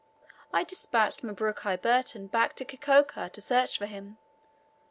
I despatched Mabruki Burton back to Kikoka to search for him.